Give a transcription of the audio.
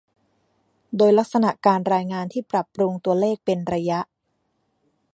โดยลักษณะการรายงานที่ปรับปรุงตัวเลขเป็นระยะ